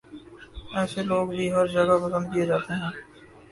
ایسے لوگ بھی ہر جگہ پسند کیے جاتے ہیں